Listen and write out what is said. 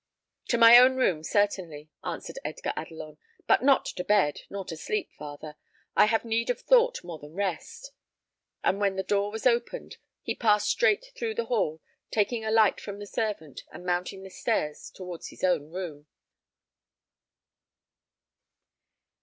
"To my own room, certainly," answered Edgar Adelon; "but not to bed, nor to sleep, father. I have need of thought more than rest;" and when the door was opened, he passed straight through the hall, taking a light from the servant, and mounting the stairs towards his own room.